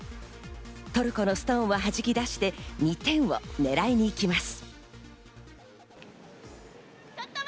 トルコのストーンははじき出して、２点を狙いに行きます。